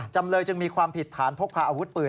จำเลยจึงมีความผิดฐานพกพาอาวุธปืน